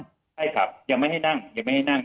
ใช่ครับยังไม่ให้นั่งยังไม่ให้นั่ง